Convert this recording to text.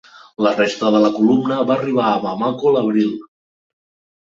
La resta de la columna va arribar a Bamako l’abril.